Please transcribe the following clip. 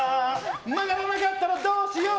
曲がらなかったらどうしよう。